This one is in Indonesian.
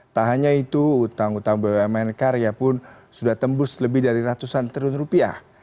tak hanya itu utang utang bumn karya pun sudah tembus lebih dari ratusan triliun rupiah